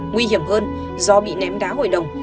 nguy hiểm hơn do bị ném đá hồi đồng